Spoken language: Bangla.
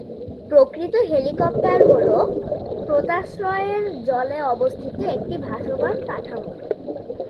প্রকৃত হেলিকোপটার হল পোতাশ্রয়ের জলে অবস্থিত একটি ভাসমান কাঠামো।